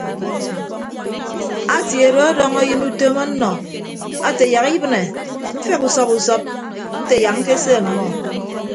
Atie do ọdọñ ayịn utom ọnnọ ate yak ibịne mfeghe usọp usọp nte yak ñkese ọmmọ.